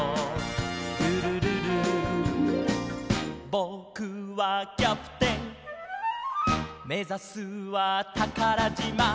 「ぼくはキャプテンめざすはたからじま」